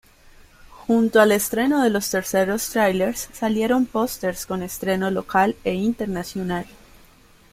Junto al estreno de los terceros tráilers salieron pósters con estreno local e internacional.